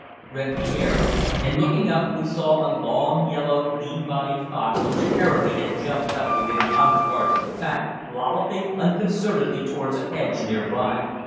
rent the air, and, looking up, we saw a long, yellow, lean bodied fox which apparently had jumped up within a hundred yards of the pack, lolloping unconcernedly towards a hedge near by.